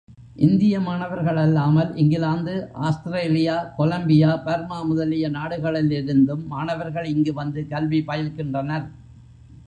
இந்திய மாணவர்களல்லாமல், England, Australia, Columbia, Burma முதலிய நாடுகளிலிருந்தும் மாணவர்கள் இங்கு வந்து கல்வி பயில்கின்றனர்.